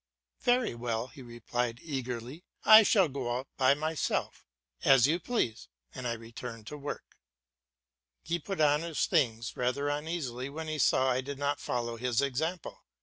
"Very well," he replied eagerly, "I shall go out by myself." "As you please," and I returned to my work. He put on his things rather uneasily when he saw I did not follow his example.